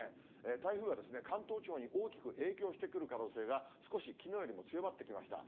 台風が関東地方に大きく影響してくる可能性が少しきのうよりも強まってきました。